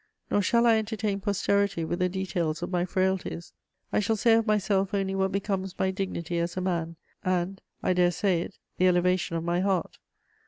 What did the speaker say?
Nor shall I entertain posterity with the details of my frailties; I shall say of myself only what becomes my dignity as a man, and, I dare say it, the elevation of my heart.